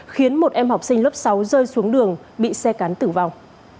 khiến một em học sinh lớp sáu rơi xuống đường bị xe cắn tử vong